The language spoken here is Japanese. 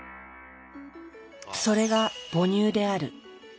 それが「母乳」である。